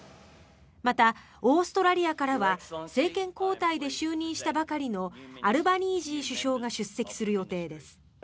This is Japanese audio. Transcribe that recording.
また、オーストラリアからは政権交代で就任したばかりのアルバニージー首相が出席する予定です。